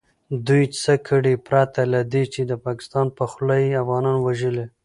دوئ څه کړي پرته له دې چې د پاکستان په خوله يې افغانان وژلي .